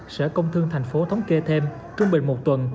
sở công thương thành phố thống kê thêm trung bình một tuần